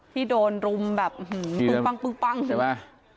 ที่โดนรุมแบบปึ้งปั้งใช่ไหม